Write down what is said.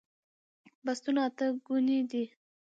بستونه اته ګوني دي